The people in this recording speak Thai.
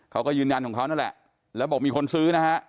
เขาก็ยืนยันของเขานั่นแหละแล้วบอกมีคนซื้อนะฮะ